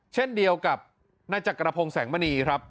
เช่นเดียวกับนายจักรพงศ์แสงมณีครับ